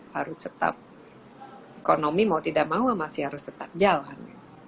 harus tetap ekonomi mau tidak mau masih harus tetap jalan